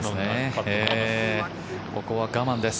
ここは我慢です。